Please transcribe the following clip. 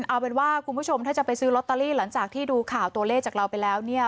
เอาเป็นว่าคุณผู้ชมถ้าจะไปซื้อลอตเตอรี่หลังจากที่ดูข่าวตัวเลขจากเราไปแล้วเนี่ย